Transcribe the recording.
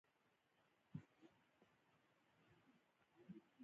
فیته یي مترونه، کمپاس او مایکرومتر هم په دې ډله کې شته.